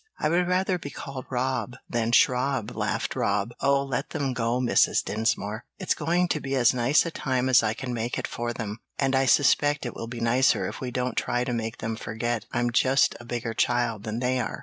"I would rather be called Rob than Srob," laughed Rob. "Oh, let them go, Mrs. Dinsmore! It's going to be as nice a time as I can make it for them, and I suspect it will be nicer if we don't try to make them forget I'm just a bigger child than they are."